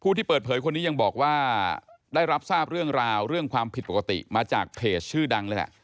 ที่เปิดเผยคนนี้ยังบอกว่าได้รับทราบเรื่องราวเรื่องความผิดปกติมาจากเพจชื่อดังเลยแหละ